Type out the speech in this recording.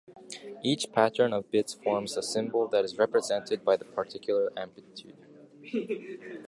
Each pattern of bits forms the symbol that is represented by the particular amplitude.